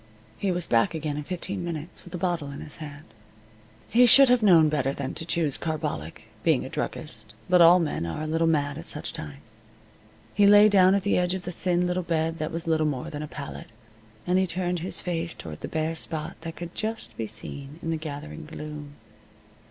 He was back again in fifteen minutes, with a bottle in his hand. He should have known better than to choose carbolic, being a druggist, but all men are a little mad at such times. He lay down at the edge of the thin little bed that was little more than a pallet, and he turned his face toward the bare spot that could just be seen in the gathering gloom.